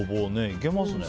いけますね。